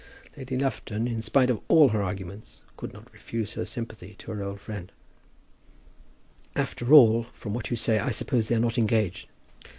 Lady Lufton, in spite of all her arguments, could not refuse her sympathy to her old friend. "After all, from what you say, I suppose they are not engaged."